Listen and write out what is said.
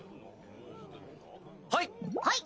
はい！